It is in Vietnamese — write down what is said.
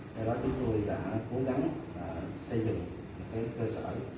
do đó chúng tôi đã cố gắng xây dựng một cái cơ sở hậu sức trưng cho bệnh nhân phổi